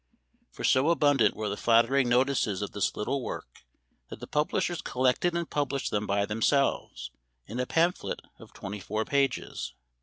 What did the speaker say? For so abun dant were the flattering notices of this little work that the publishers collected and published them by themselves in a pamphlet of twenty four pages.